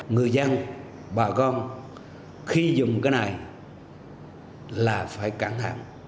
người dân bà con khi dùng cái này là phải cản hạng